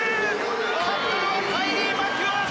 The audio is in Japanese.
勝ったのはカイリー・マキュオン！